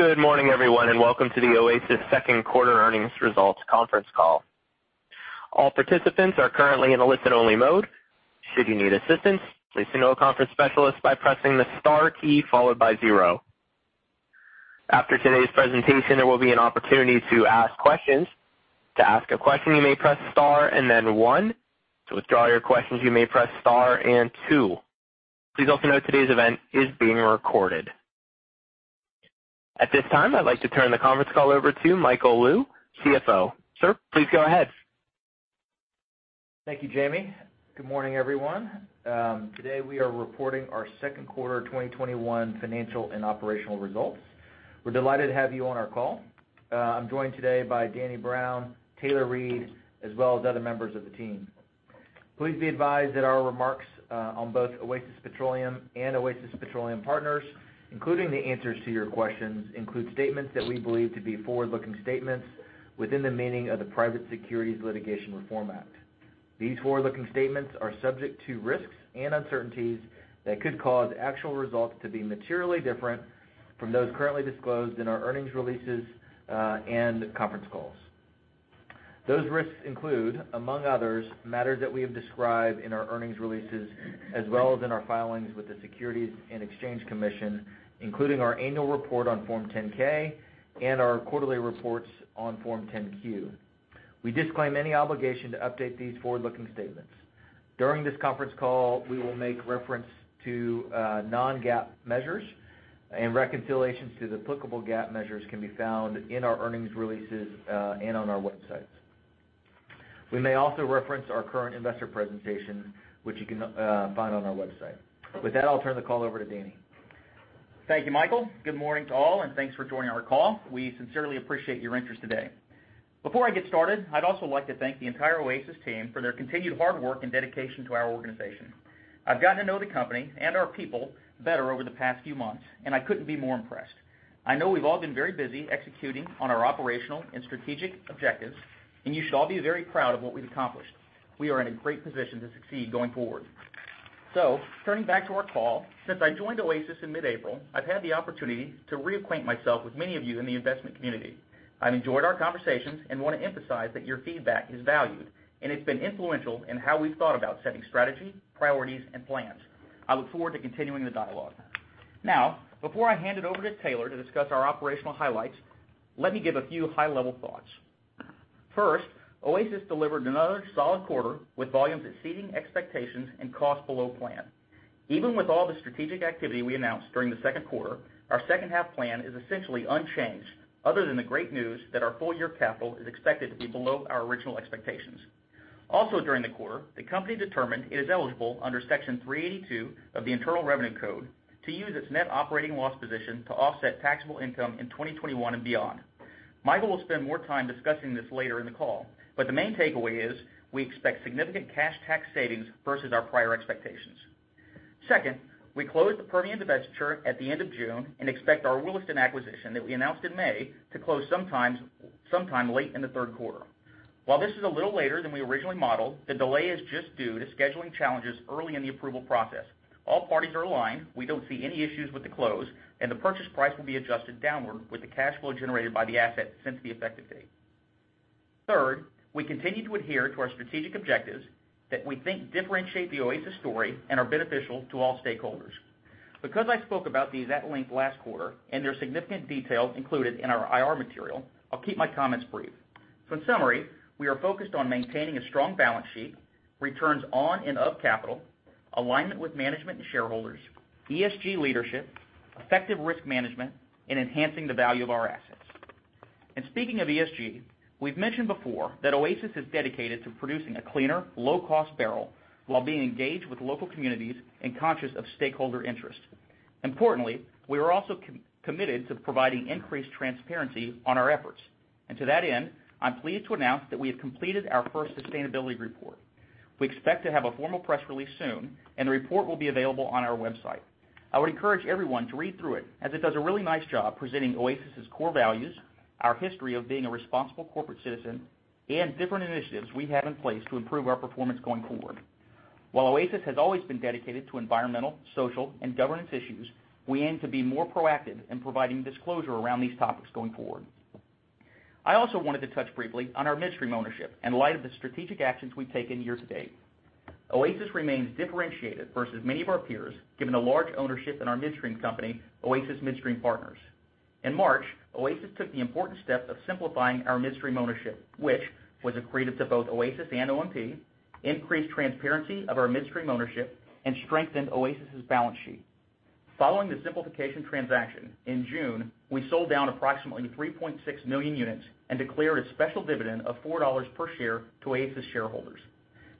Good morning, everyone, and welcome to the Oasis second quarter earnings results conference call. All participants are currently in a listen-only mode. Should you need assistance, please signal a conference specialist by pressing the star key, followed by zero. After today's presentation, there will be an opportunity to ask questions. To ask a question, you may press star and then one. To withdraw your questions, you may press star and two. Please also note today's event is being recorded. At this time, I'd like to turn the conference call over to Michael Lou, CFO. Sir, please go ahead. Thank you, Jamie. Good morning, everyone. Today, we are reporting our second quarter 2021 financial and operational results. We're delighted to have you on our call. I'm joined today by Daniel Brown, Taylor Reid, as well as other members of the team. Please be advised that our remarks, on both Oasis Petroleum and Oasis Petroleum Partners, including the answers to your questions, include statements that we believe to be forward-looking statements within the meaning of the Private Securities Litigation Reform Act. These forward-looking statements are subject to risks and uncertainties that could cause actual results to be materially different from those currently disclosed in our earnings releases, and conference calls. Those risks include, among others, matters that we have described in our earnings releases as well as in our filings with the Securities and Exchange Commission, including our annual report on Form 10-K and our quarterly reports on Form 10-Q. We disclaim any obligation to update these forward-looking statements. During this conference call, we will make reference to non-GAAP measures and reconciliations to the applicable GAAP measures can be found in our earnings releases, and on our websites. We may also reference our current investor presentation, which you can find on our website. With that, I'll turn the call over to Danny. Thank you, Michael. Good morning to all, thanks for joining our call. We sincerely appreciate your interest today. Before I get started, I'd also like to thank the entire Oasis team for their continued hard work and dedication to our organization. I've gotten to know the company and our people better over the past few months, I couldn't be more impressed. I know we've all been very busy executing on our operational and strategic objectives; you should all be very proud of what we've accomplished. We are in a great position to succeed going forward. Turning back to our call, since I joined Oasis in mid-April, I've had the opportunity to reacquaint myself with many of you in the investment community. I've enjoyed our conversations and want to emphasize that your feedback is valued, and it's been influential in how we've thought about setting strategy, priorities, and plans. I look forward to continuing the dialogue. Now, before I hand it over to Taylor to discuss our operational highlights, let me give a few high-level thoughts. First, Oasis delivered another solid quarter, with volumes exceeding expectations and cost below plan. Even with all the strategic activity we announced during the second quarter, our second-half plan is essentially unchanged, other than the great news that our full-year capital is expected to be below our original expectations. Also during the quarter, the company determined it is eligible under Section 382 of the Internal Revenue Code to use its net operating loss position to offset taxable income in 2021 and beyond. Michael will spend more time discussing this later in the call, but the main takeaway is we expect significant cash tax savings versus our prior expectations. Second, we closed the Permian divestiture at the end of June and expect our Williston acquisition that we announced in May to close sometime late in the third quarter. While this is a little later than we originally modeled, the delay is just due to scheduling challenges early in the approval process. All parties are aligned. We don't see any issues with the close, and the purchase price will be adjusted downward with the cash flow generated by the asset since the effective date. Third, we continue to adhere to our strategic objectives that we think differentiate the Oasis story and are beneficial to all stakeholders. I spoke about these at length last quarter and there are significant details included in our IR material, I'll keep my comments brief. In summary, we are focused on maintaining a strong balance sheet, returns on and of capital, alignment with management and shareholders, ESG leadership, effective risk management, and enhancing the value of our assets. Speaking of ESG, we've mentioned before that Oasis is dedicated to producing a cleaner, low-cost barrel while being engaged with local communities and conscious of stakeholder interests. Importantly, we are also committed to providing increased transparency on our efforts. To that end, I'm pleased to announce that we have completed our first sustainability report. We expect to have a formal press release soon, and the report will be available on our website. I would encourage everyone to read through it as it does a really nice job presenting Oasis's core values, our history of being a responsible corporate citizen, and different initiatives we have in place to improve our performance going forward. While Oasis has always been dedicated to environmental, social, and governance issues, we aim to be more proactive in providing disclosure around these topics going forward. I also wanted to touch briefly on our midstream ownership in light of the strategic actions we've taken year to date. Oasis remains differentiated versus many of our peers, given the large ownership in our midstream company, Oasis Midstream Partners. In March, Oasis took the important step of simplifying our midstream ownership, which was accretive to both Oasis and OMP, increased transparency of our midstream ownership, and strengthened Oasis's balance sheet. Following the simplification transaction, in June, we sold down approximately 3.6 million units and declared a special dividend of $4 per share to Oasis shareholders.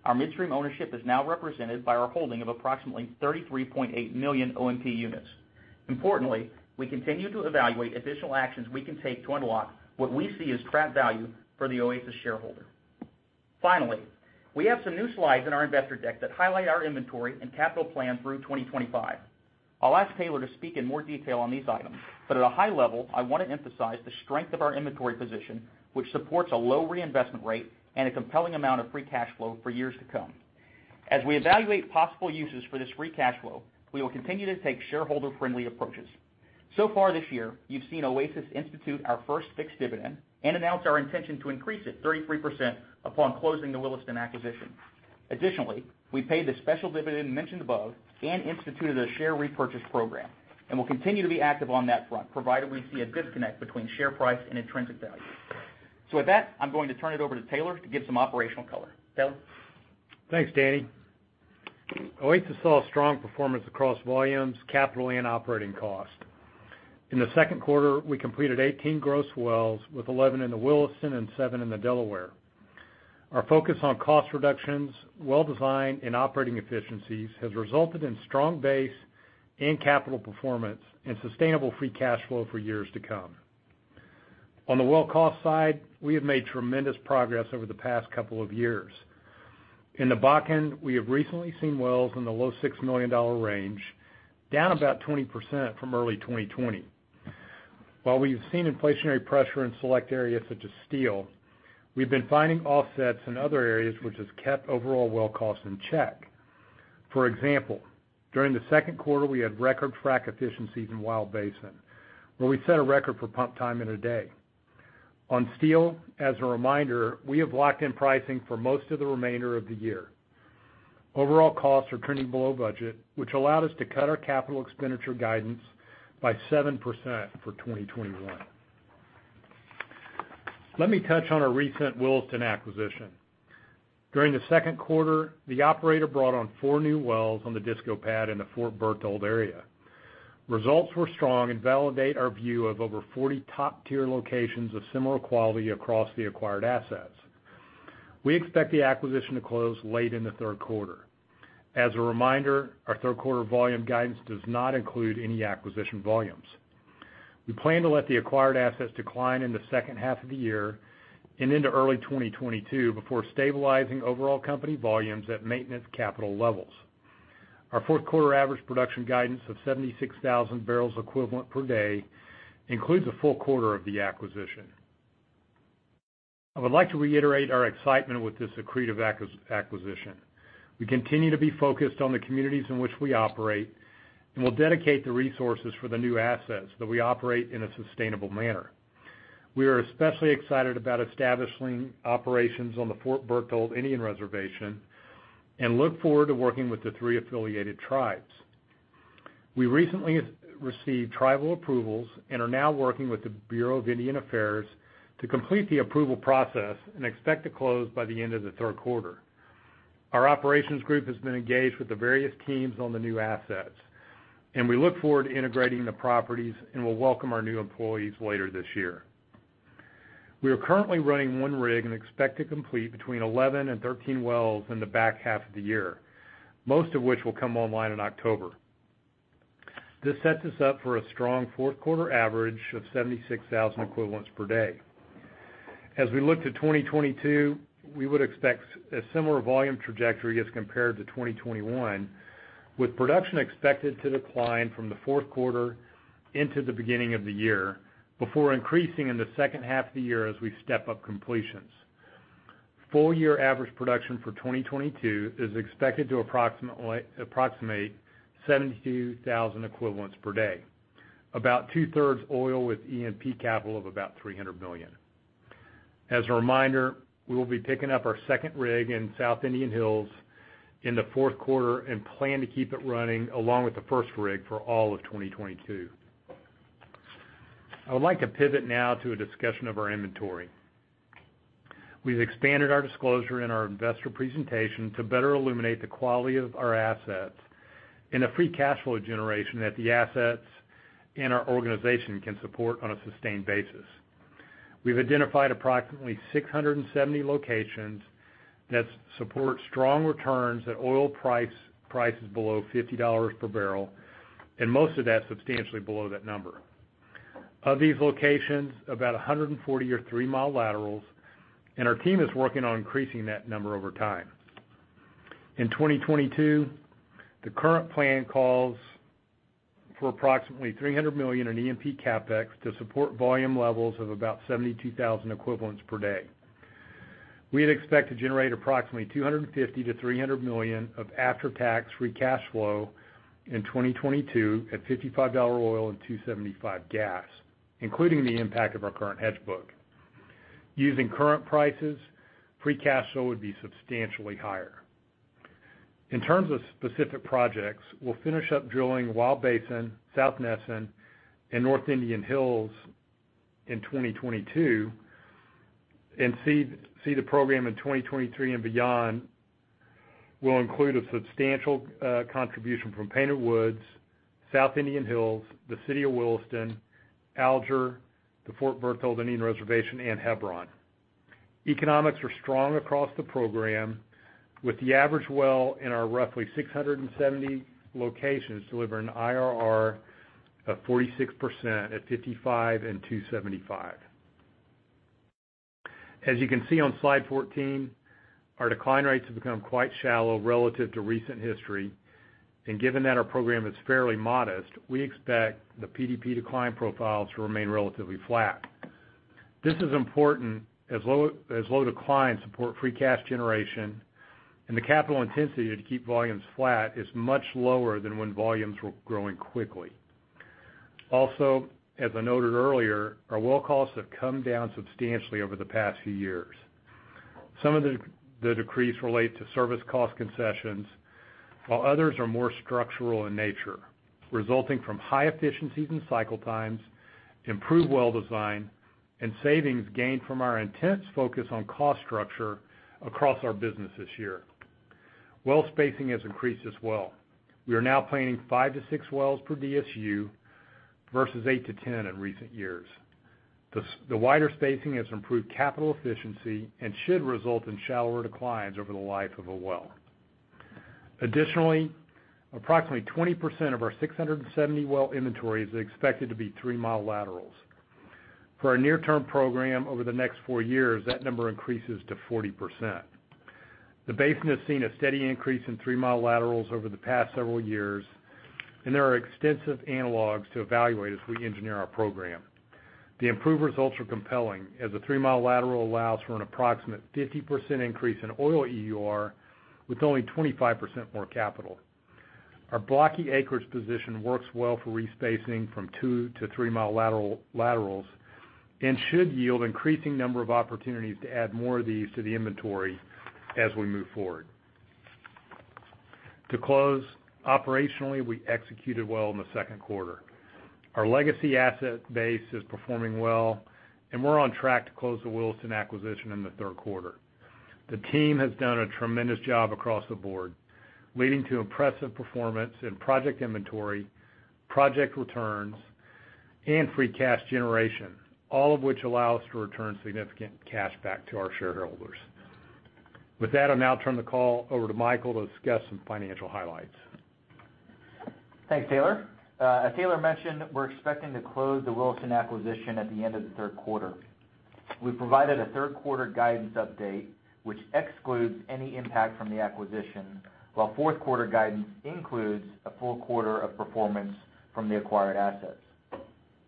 Our midstream ownership is now represented by our holding of approximately 33.8 million OMP units. Importantly, we continue to evaluate additional actions we can take to unlock what we see as trapped value for the Oasis shareholder. Finally, we have some new slides in our investor deck that highlight our inventory and capital plan through 2025. I'll ask Taylor to speak in more detail on these items, but at a high level, I want to emphasize the strength of our inventory position, which supports a low reinvestment rate and a compelling amount of free cash flow for years to come. As we evaluate possible uses for this free cash flow, we will continue to take shareholder-friendly approaches. So far this year, you've seen Oasis institute our first fixed dividend and announce our intention to increase it 33% upon closing the Williston acquisition. Additionally, we paid the special dividend mentioned above and instituted a share repurchase program, and will continue to be active on that front, provided we see a good connect between share price and intrinsic value. With that, I'm going to turn it over to Taylor to give some operational color. Taylor? Thanks, Danny. Oasis Petroleum Inc. saw strong performance across volumes, capital, and operating cost. In the second quarter, we completed 18 gross wells, with 11 in the Williston and seven in the Delaware. Our focus on cost reductions, well design, and operating efficiencies has resulted in strong base and capital performance and sustainable free cash flow for years to come. On the well cost side, we have made tremendous progress over the past couple of years. In the back end, we have recently seen wells in the low $6 million range, down about 20% from early 2020. While we have seen inflationary pressure in select areas such as steel, we've been finding offsets in other areas, which has kept overall well cost in check. For example, during the second quarter, we had record frac efficiencies in Wild Basin, where we set a record for pump time in a day. On steel, as a reminder, we have locked in pricing for most of the remainder of the year. Overall costs are trending below budget, which allowed us to cut our capital expenditure guidance by 7% for 2021. Let me touch on our recent Williston acquisition. During the second quarter, the operator brought on four new wells on the Bisco pad in the Fort Berthold area. Results were strong and validate our view of over 40 top-tier locations of similar quality across the acquired assets. We expect the acquisition to close late in the third quarter. As a reminder, our third quarter volume guidance does not include any acquisition volumes. We plan to let the acquired assets decline in the second half of the year and into early 2022 before stabilizing overall company volumes at maintenance capital levels. Our fourth quarter average production guidance of 76,000 barrels equivalent per day includes a full quarter of the acquisition. I would like to reiterate our excitement with this accretive acquisition. We continue to be focused on the communities in which we operate, and we'll dedicate the resources for the new assets that we operate in a sustainable manner. We are especially excited about establishing operations on the Fort Berthold Indian Reservation and look forward to working with the Three Affiliated Tribes. We recently received tribal approvals and are now working with the Bureau of Indian Affairs to complete the approval process and expect to close by the end of the third quarter. Our operations group has been engaged with the various teams on the new assets, and we look forward to integrating the properties and will welcome our new employees later this year. We are currently running one rig and expect to complete between 11 and 13 wells in the back half of the year, most of which will come online in October. This sets us up for a strong fourth quarter average of 76,000 equivalents per day. As we look to 2022, we would expect a similar volume trajectory as compared to 2021, with production expected to decline from the fourth quarter into the beginning of the year, before increasing in the second half of the year as we step up completions. Full-year average production for 2022 is expected to approximate 72,000 equivalents per day. About 2/3 oil with E&P capital of about $300 million. As a reminder, we will be picking up our second rig in South Indian Hills in the fourth quarter and plan to keep it running along with the first rig for all of 2022. I would like to pivot now to a discussion of our inventory. We've expanded our disclosure in our investor presentation to better illuminate the quality of our assets in a free cash flow generation that the assets in our organization can support on a sustained basis. We've identified approximately 670 locations that support strong returns at oil prices below $50 per barrel, and most of that substantially below that number. Of these locations, about 140 are three-mile laterals, and our team is working on increasing that number over time. In 2022, the current plan calls for approximately $300 million in E&P CapEx to support volume levels of about 72,000 equivalents per day. We had expected to generate approximately $250 million-$300 million of after-tax free cash flow in 2022 at $55 oil and $2.75 gas, including the impact of our current hedge book. Using current prices, free cash flow would be substantially higher. In terms of specific projects, we'll finish up drilling Wild Basin, South Nesson, and North Indian Hills in 2022 and the program in 2023 and beyond will include a substantial contribution from Painted Woods, South Indian Hills, the City of Williston, Alger, the Fort Berthold Indian Reservation, and Hebron. Economics are strong across the program, with the average well in our roughly 670 locations delivering an IRR of 46% at $55 and $2.75. As you can see on slide 14, our decline rates have become quite shallow relative to recent history, and given that our program is fairly modest, we expect the PDP decline profiles to remain relatively flat. This is important as low declines support free cash generation, and the capital intensity to keep volumes flat is much lower than when volumes were growing quickly. Also, as I noted earlier, our well costs have come down substantially over the past few years. Some of the decreases relate to service cost concessions, while others are more structural in nature, resulting from high efficiencies in cycle times, improved well design, and savings gained from our intense focus on cost structure across our business this year. Well spacing has increased as well. We are now planning five to six wells per DSU versus 8-10 in recent years. The wider spacing has improved capital efficiency and should result in shallower declines over the life of a well. Additionally, approximately 20% of our 670 well inventory is expected to be three-mile laterals. For our near-term program over the next four years, that number increases to 40%. The basin has seen a steady increase in three-mile laterals over the past several years, and there are extensive analogs to evaluate as we engineer our program. The improved results are compelling, as a three-mile lateral allows for an approximate 50% increase in oil EUR with only 25% more capital. Our blocky acreage position works well for re-spacing from two to three-mile laterals and should yield increasing number of opportunities to add more of these to the inventory as we move forward. To close, operationally, we executed well in the second quarter. Our legacy asset base is performing well, and we're on track to close the Williston acquisition in the third quarter. The team has done a tremendous job across the board, leading to impressive performance in project inventory, project returns, and free cash generation, all of which allow us to return significant cash back to our shareholders. With that, I'll now turn the call over to Michael to discuss some financial highlights. Thanks, Taylor. As Taylor mentioned, we're expecting to close the Williston acquisition at the end of the third quarter. We've provided a third quarter guidance update, which excludes any impact from the acquisition, while fourth quarter guidance includes a full quarter of performance from the acquired assets.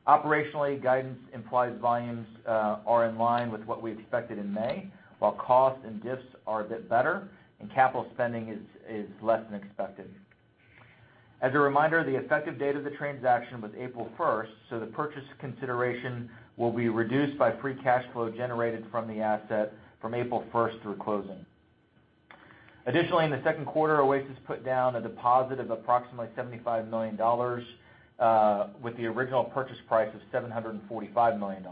Operationally, guidance implied volumes are in line with what we expected in May, while costs and Diffs are a bit better and capital spending is less than expected. As a reminder, the effective date of the transaction was April 1st, the purchase consideration will be reduced by free cash flow generated from the asset from April 1st through closing. Additionally, in the second quarter, Oasis put down a deposit of approximately $75 million with the original purchase price of $745 million.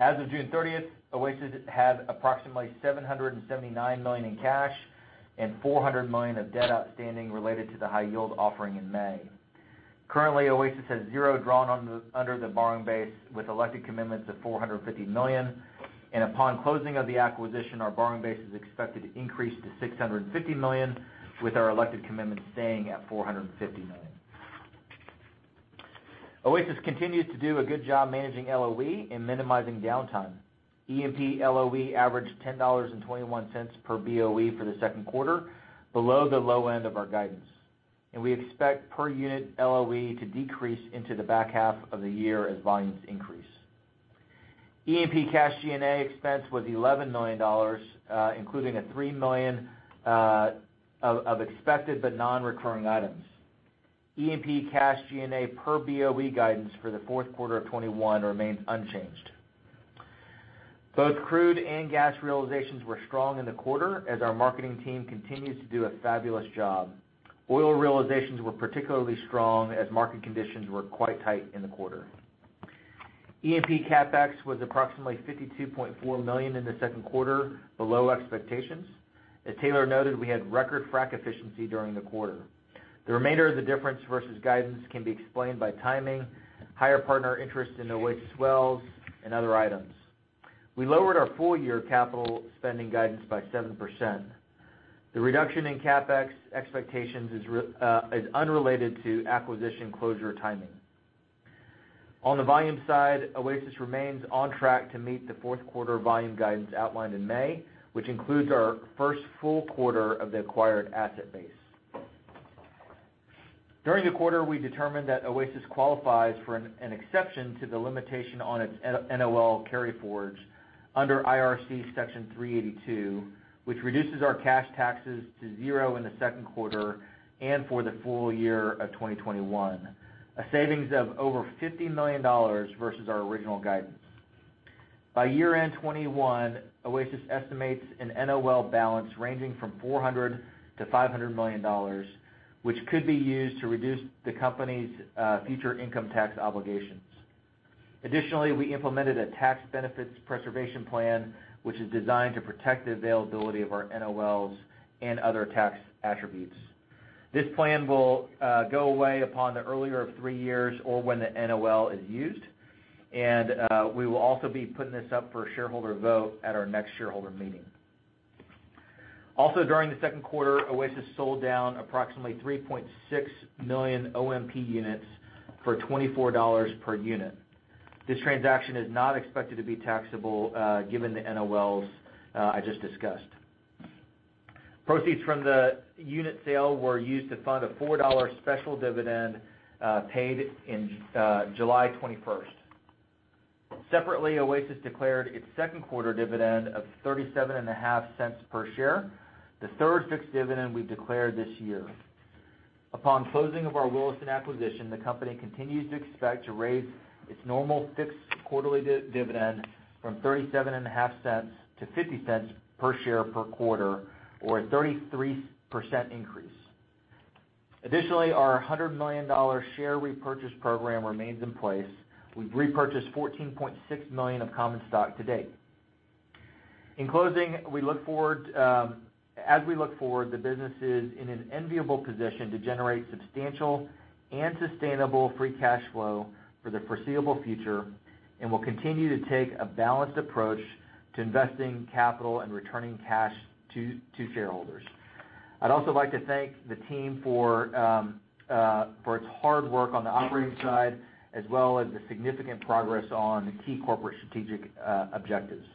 As of June 30th, Oasis had approximately $779 million in cash and $400 million of debt outstanding related to the high-yield offering in May. Currently, Oasis has zero drawn under the borrowing base with elected commitments of $450 million. Upon closing of the acquisition, our borrowing base is expected to increase to $650 million, with our elected commitments staying at $450 million. Oasis continues to do a good job managing LOE and minimizing downtime. E&P LOE averaged $10.21 per BOE for the second quarter, below the low end of our guidance. We expect per unit LOE to decrease into the back half of the year as volumes increase. E&P cash G&A expense was $11 million, including a $3 million of expected but non-recurring items. E&P cash G&A per BOE guidance for the fourth quarter of 2021 remains unchanged. Both crude and gas realizations were strong in the quarter as our marketing team continues to do a fabulous job. Oil realizations were particularly strong as market conditions were quite tight in the quarter. E&P CapEx was approximately $52.4 million in the second quarter, below expectations. As Taylor noted, we had record frac efficiency during the quarter. The remainder of the difference versus guidance can be explained by timing, higher partner interest in Oasis wells, and other items. We lowered our full-year capital spending guidance by 7%. The reduction in CapEx expectations is unrelated to acquisition closure timing. On the volume side, Oasis remains on track to meet the fourth quarter volume guidance outlined in May, which includes our first full quarter of the acquired asset base. During the quarter, we determined that Oasis qualifies for an exception to the limitation on its NOL carryforwards under IRC Section 382, which reduces our cash taxes to zero in the second quarter and for the full year of 2021, a savings of over $50 million versus our original guidance. By year-end 2021, Oasis estimates an NOL balance ranging from $400 million-$500 million, which could be used to reduce the company's future income tax obligations. Additionally, we implemented a tax benefits preservation plan, which is designed to protect the availability of our NOLs and other tax attributes. This plan will go away upon the earlier of three years or when the NOL is used, and we will also be putting this up for a shareholder vote at our next shareholder meeting. Also, during the second quarter, Oasis sold down approximately 3.6 million OMP units for $24 per unit. This transaction is not expected to be taxable given the NOLs I just discussed. Proceeds from the unit sale were used to fund a $4 special dividend paid in July 21st. Separately, Oasis declared its second quarter dividend of $0.375 per share, the third fixed dividend we've declared this year. Upon closing of our Williston acquisition, the company continues to expect to raise its normal fixed quarterly dividend from $0.375 to $0.50 per share per quarter or a 33% increase. Additionally, our $100 million share repurchase program remains in place. We've repurchased 14.6 million of common stock to date. In closing, as we look forward, the business is in an enviable position to generate substantial and sustainable free cash flow for the foreseeable future and will continue to take a balanced approach to investing capital and returning cash to shareholders. I'd also like to thank the team for its hard work on the operating side, as well as the significant progress on key corporate strategic objectives.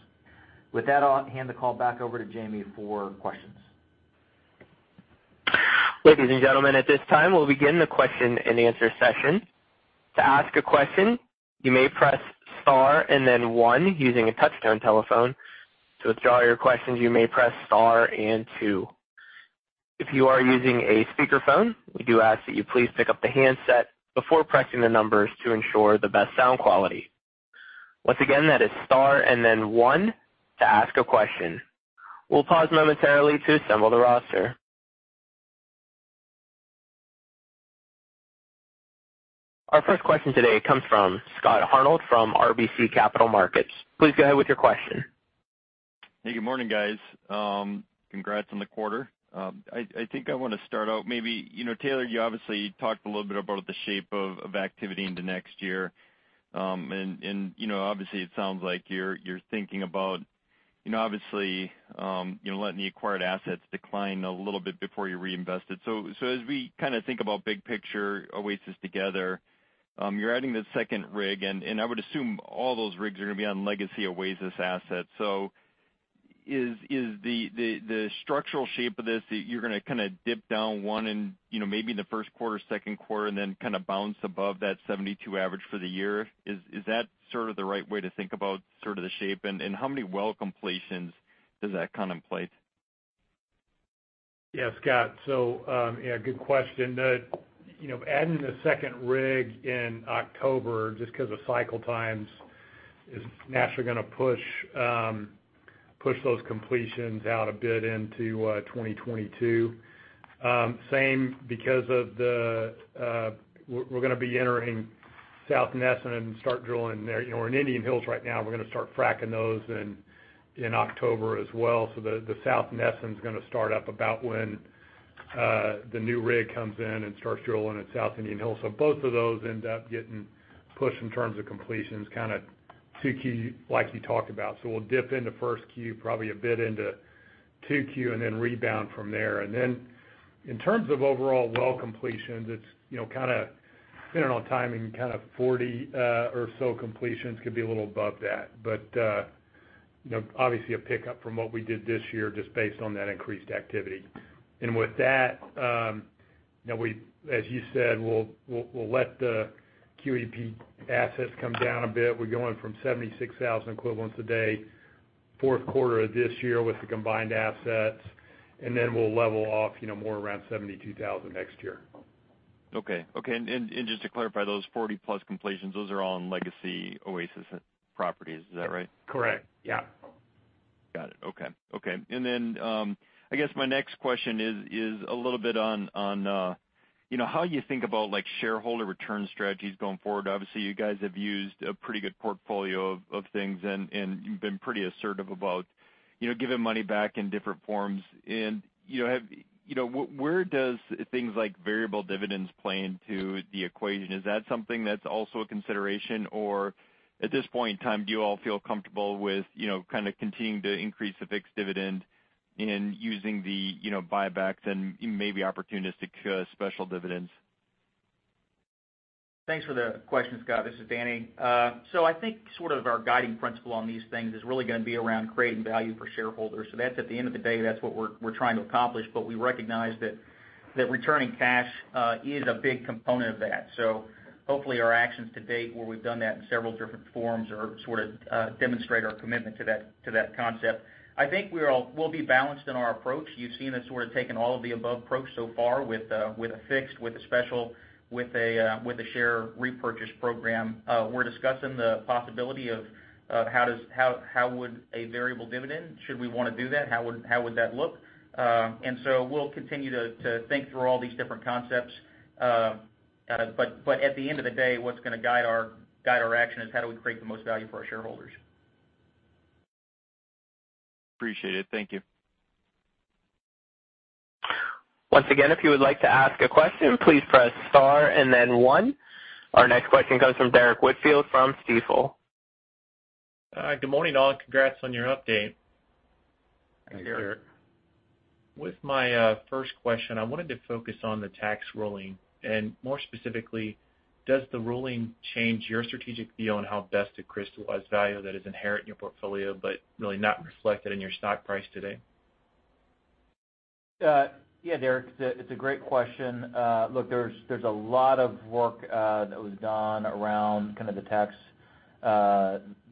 With that, I'll hand the call back over to Jamie for questions. Our first question today comes from Scott Hanold from RBC Capital Markets. Please go ahead with your question. Hey, good morning, guys. Congrats on the quarter. I think I want to start out maybe, Taylor, you obviously talked a little bit about the shape of activity into next year. Obviously, it sounds like you're thinking about letting the acquired assets decline a little bit before you reinvest it. As we think about big picture Oasis together, you're adding the second rig, and I would assume all those rigs are going to be on legacy Oasis assets. Is the structural shape of this that you're going to dip down one maybe in the first quarter, second quarter, and then bounce above that 72 average for the year? Is that the right way to think about the shape, and how many well completions does that contemplate? Yeah, Scott. Good question. Adding the second rig in October, just because of cycle times, is naturally going to push those completions out a bit into 2022. Same because we're going to be entering South Nesson and start drilling there. We're in Indian Hills right now. We're going to start fracking those in October as well. The South Nesson's going to start up about when the new rig comes in and starts drilling at South Indian Hills. Both of those end up getting pushed in terms of completions, kind of 2Q, like you talked about. We'll dip into first Q, probably a bit into 2Q, and then rebound from there. Then in terms of overall well completions, depending on timing, 40 or so completions. Could be a little above that. Obviously a pickup from what we did this year, just based on that increased activity. With that, as you said, we'll let the QEP assets come down a bit. We're going from 76,000 equivalents a day, fourth quarter of this year with the combined assets, and then we'll level off more around 72,000 next year. Okay. Just to clarify, those 40-plus completions, those are all in legacy Oasis properties. Is that right? Correct. Yeah. Got it. Okay. I guess my next question is a little bit on how you think about shareholder return strategies going forward. Obviously, you guys have used a pretty good portfolio of things, and you've been pretty assertive about giving money back in different forms. Where does things like variable dividends play into the equation? Is that something that's also a consideration? At this point in time, do you all feel comfortable with continuing to increase the fixed dividend and using the buybacks and maybe opportunistic special dividends? Thanks for the question, Scott. This is Danny. I think our guiding principle on these things is really going to be around creating value for shareholders. At the end of the day, that's what we're trying to accomplish. We recognize that returning cash is a big component of that. Hopefully, our actions to date, where we've done that in several different forms, demonstrate our commitment to that concept. I think we'll be balanced in our approach. You've seen us taking all of the above approach so far with a fixed, with a special, with a share repurchase program. We're discussing the possibility of how would a variable dividend, should we want to do that, how would that look? We'll continue to think through all these different concepts. At the end of the day, what's going to guide our action is how do we create the most value for our shareholders. Appreciate it. Thank you. Our next question comes from Derrick Whitfield from Stifel. Hi, good morning, all. Congrats on your update. Hey, Derrick. Hey, Derrick. With my first question, I wanted to focus on the tax ruling, and more specifically, does the ruling change your strategic view on how best to crystallize value that is inherent in your portfolio, but really not reflected in your stock price today? Yeah, Derrick, it's a great question. Look, there's a lot of work that was done around the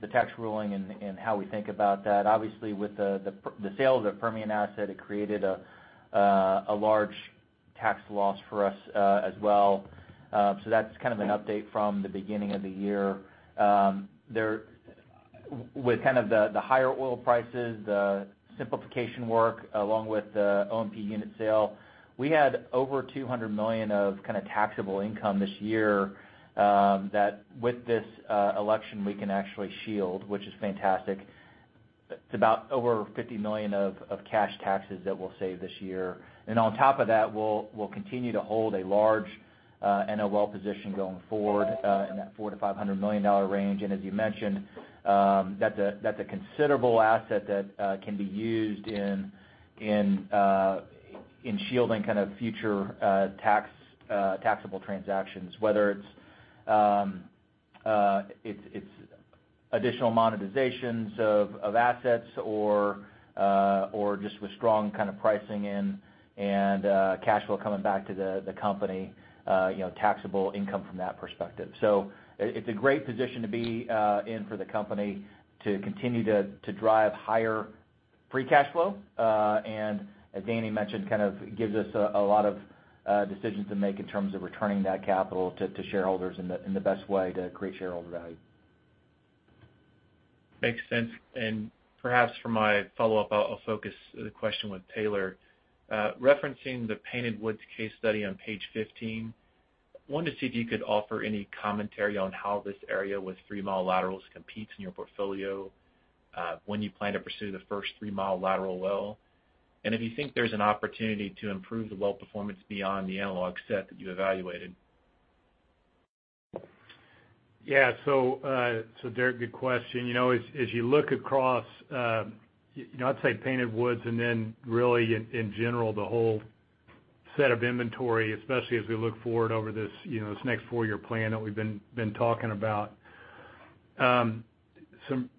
tax ruling and how we think about that. Obviously, with the sale of the Permian asset, it created a large tax loss for us as well. That's an update from the beginning of the year. With the higher oil prices, the simplification work, along with the OMP unit sale, we had over $200 million of taxable income this year that, with this election, we can actually shield, which is fantastic. It's about over $50 million of cash taxes that we'll save this year. On top of that, we'll continue to hold a large NOL position going forward in that $400 million-$500 million range. As you mentioned, that's a considerable asset that can be used in shielding future taxable transactions, whether it's additional monetization of assets or just with strong pricing and cash flow coming back to the company, taxable income from that perspective. It's a great position to be in for the company to continue to drive higher free cash flow. As Danny mentioned, gives us a lot of decisions to make in terms of returning that capital to shareholders in the best way to create shareholder value. Makes sense. Perhaps for my follow-up, I'll focus the question with Taylor. Referencing the Painted Woods case study on page 15, wanted to see if you could offer any commentary on how this area with three-mile laterals competes in your portfolio, when you plan to pursue the first three-mile lateral well, and if you think there's an opportunity to improve the well performance beyond the analog set that you evaluated? Yeah. Derrick, good question. As you look across, I'd say Painted Woods, and then really in general, the whole set of inventory, especially as we look forward over this next four-year plan that we've been talking about. Some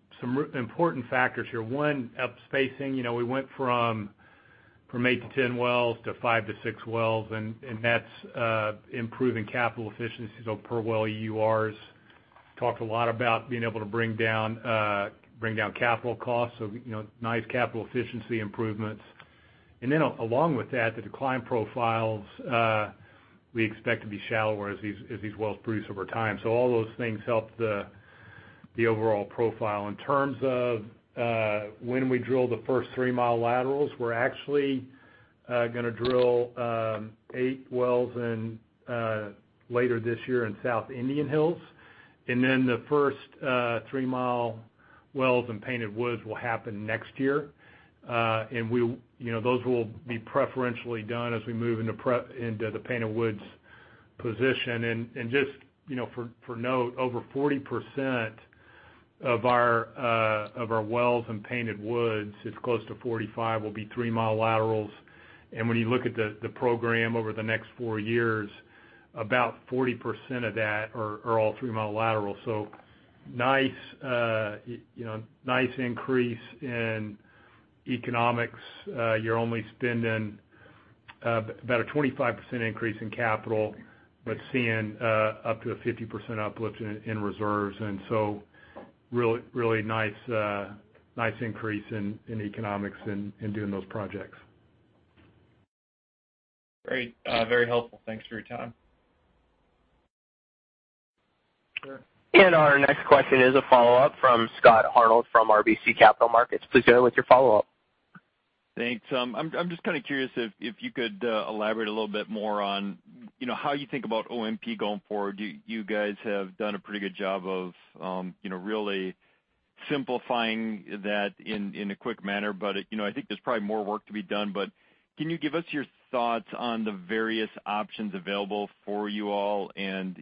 important factors here. One, up-spacing. We went from eight to 10 wells to five to six wells, and that's improving capital efficiency. Per well EURs. Talked a lot about being able to bring down capital costs. Nice capital efficiency improvements. Along with that, the decline profiles we expect to be shallower as these wells produce over time. All those things help the overall profile. In terms of when we drill the first three-mile laterals, we're actually going to drill eight wells later this year in South Indian Hills. The first three-mile wells in Painted Woods will happen next year. Those will be preferentially done as we move into the Painted Woods position. Just for note, over 40% of our wells in Painted Woods, it's close to 45, will be three-mile laterals. When you look at the program over the next four years, about 40% of that are all three-mile laterals. Nice increase in economics. You're only spending about a 25% increase in capital but seeing up to a 50% uplift in reserves. Really nice increase in economics in doing those projects. Great. Very helpful. Thanks for your time. Our next question is a follow-up from Scott Hanold from RBC Capital Markets. Please go ahead with your follow-up. Thanks. I'm just kind of curious if you could elaborate a little bit more on how you think about OMP going forward. You guys have done a pretty good job of really simplifying that in a quick manner, but I think there's probably more work to be done. Can you give us your thoughts on the various options available for you all, and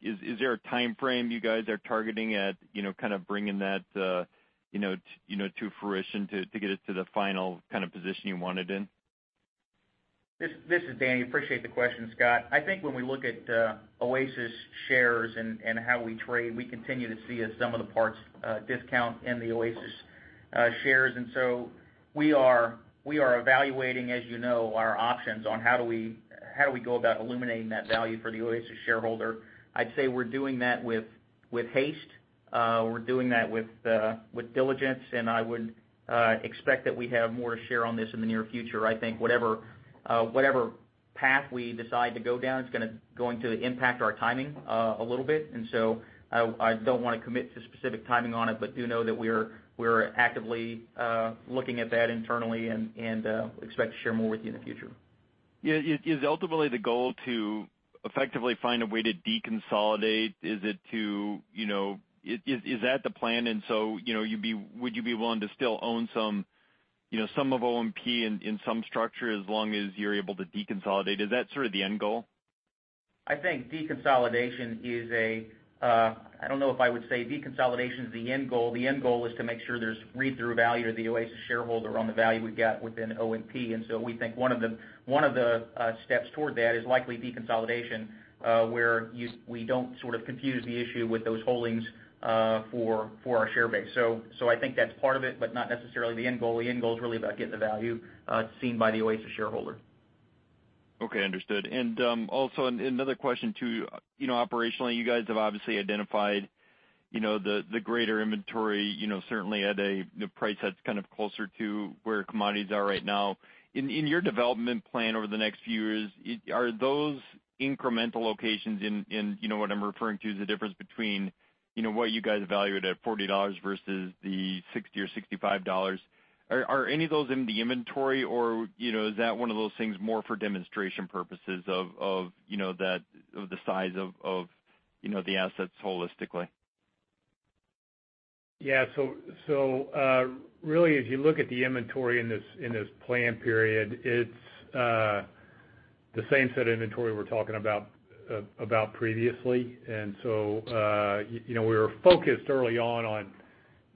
is there a time frame you guys are targeting at bringing that to fruition to get it to the final position you want it in? This is Danny. Appreciate the question, Scott. I think when we look at Oasis shares and how we trade, we continue to see a sum of the parts discount in the Oasis shares. We are evaluating, as you know, our options on how do we go about illuminating that value for the Oasis shareholder. I'd say we're doing that with haste. We're doing that with diligence, and I would expect that we have more to share on this in the near future. I think whatever path we decide to go down it's going to impact our timing a little bit. I don't want to commit to specific timing on it but do know that we're actively looking at that internally and expect to share more with you in the future. Yeah. Is ultimately the goal to effectively find a way to deconsolidate? Is that the plan? Would you be willing to still own some of OMP in some structure, as long as you're able to deconsolidate? Is that sort of the end goal? I think deconsolidation is a I don't know if I would say deconsolidation is the end goal. The end goal is to make sure there's read-through value to the Oasis shareholder on the value we've got within OMP. We think one of the steps toward that is likely deconsolidation, where we don't sort of confuse the issue with those holdings for our share base. I think that's part of it, but not necessarily the end goal. The end goal is really about getting the value seen by the Oasis shareholder. Okay, understood. Also, another question to you. Operationally, you guys have obviously identified the greater inventory certainly at a price that's kind of closer to where commodities are right now. In your development plan over the next few years, are those incremental locations, what I'm referring to is the difference between what you guys valued at $40 versus the $60 or $65, in the inventory, or is that one of those things more for demonstration purposes of the size of the assets holistically? Yeah. Really, as you look at the inventory in this plan period, it's the same set of inventory we're talking about previously. We were focused early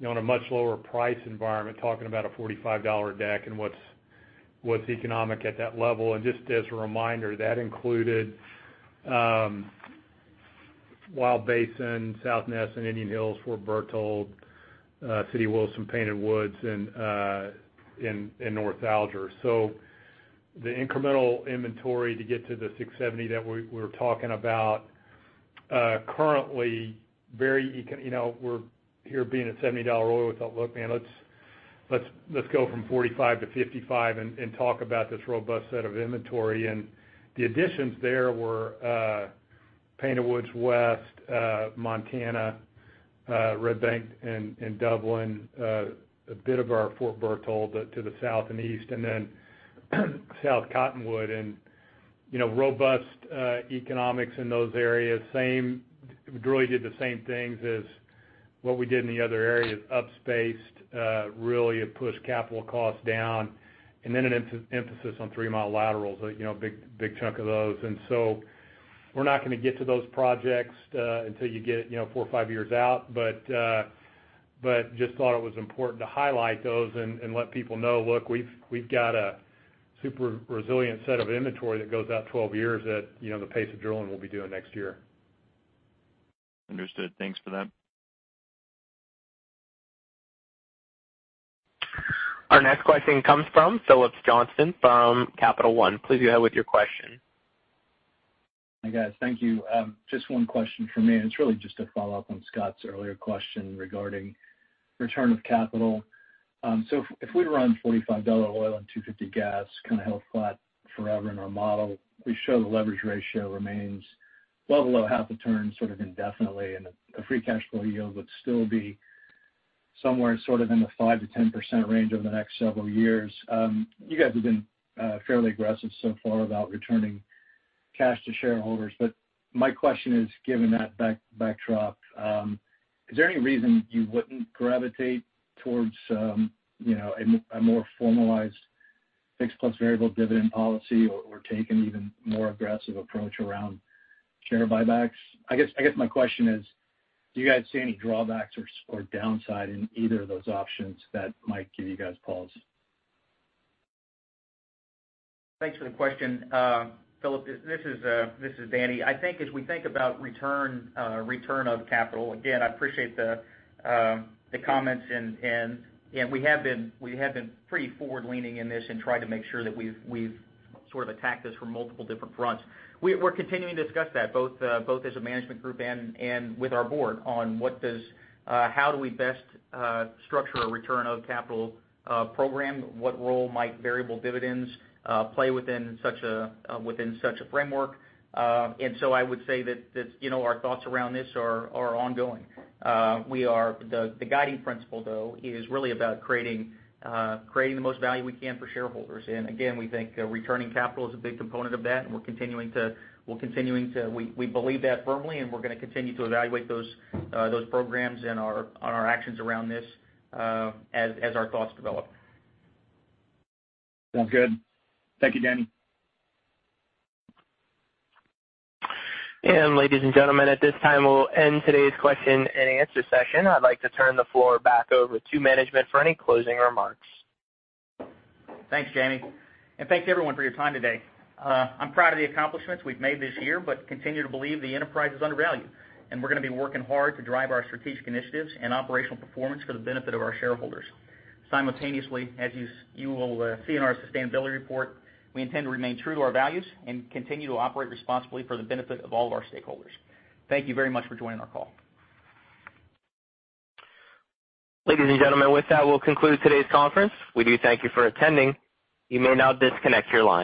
on a much lower price environment, talking about a $45 deck and what's economic at that level. Just as a reminder, that included Wild Basin, South Nesson, and Indian Hills, Fort Berthold, City Wilson, Painted Woods, and North Alger. The incremental inventory to get to the 670 that we're talking about currently, we're here being at $70 oil. We thought, "Look, man, let's go from $45-$55 and talk about this robust set of inventory." The additions there were Painted Woods West, Montana, Red Bank, and Dublin, a bit of our Fort Berthold to the south and east, and then South Cottonwood, and robust economics in those areas. We really did the same things as what we did in the other areas. Up-spaced, really it pushed capital costs down, an emphasis on three-mile laterals, a big chunk of those. We're not going to get to those projects until you get four or five years out. Just thought it was important to highlight those and let people know, look, we've got a super resilient set of inventory that goes out 12 years at the pace of drilling we'll be doing next year. Understood. Thanks for that. Our next question comes from Phillips Johnston from Capital One. Please go ahead with your question. Hi, guys. Thank you. Just one question from me, and it's really just a follow-up on Scott's earlier question regarding return of capital. If we run $45 oil and $2.50 gas, kind of held flat forever in our model, we show the leverage ratio remains well below half a turn, sort of indefinitely, and the free cash flow yield would still be somewhere sort of in the 5%-10% range over the next several years. You guys have been fairly aggressive so far about returning cash to shareholders. My question is, given that backdrop, is there any reason you wouldn't gravitate towards a more formalized fixed plus variable dividend policy or take an even more aggressive approach around share buybacks? I guess my question is, do you guys see any drawbacks or downside in either of those options that might give you guys pause? Thanks for the question, Phillips. This is Danny. I think as we think about return of capital, again, I appreciate the comments, we have been pretty forward-leaning in this and tried to make sure that we've sort of attacked this from multiple different fronts. We're continuing to discuss that, both as a management group and with our board on how do we best structure a return of capital program? What role might variable dividends play within such a framework? I would say that our thoughts around this are ongoing. The guiding principle, though, is really about creating the most value we can for shareholders. Again, we think returning capital is a big component of that, and we believe that firmly, and we're going to continue to evaluate those programs and our actions around this as our thoughts develop. Sounds good. Thank you, Danny. Ladies and gentlemen, at this time, we'll end today's question and answer session. I'd like to turn the floor back over to management for any closing remarks. Thanks, Jamie. Thanks, everyone, for your time today. I'm proud of the accomplishments we've made this year but continue to believe the enterprise is undervalued. We're going to be working hard to drive our strategic initiatives and operational performance for the benefit of our shareholders. Simultaneously, as you will see in our sustainability report, we intend to remain true to our values and continue to operate responsibly for the benefit of all of our stakeholders. Thank you very much for joining our call. Ladies and gentlemen, with that, we'll conclude today's conference. We do thank you for attending. You may now disconnect your lines.